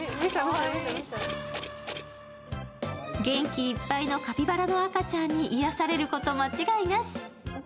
元気いっぱいのカピバラの赤ちゃんに癒やされること間違いなし。